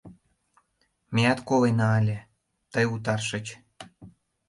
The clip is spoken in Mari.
Меат колена ыле, тый утарышыч.